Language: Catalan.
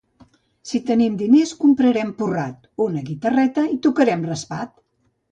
Si tenim diners comprarem porrat, una guitarreta i tocarem raspat.